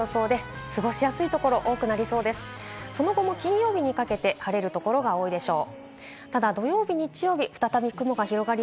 金曜日にかけて晴れる所が多いでしょう。